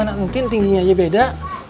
gimana nting tingginya aja beda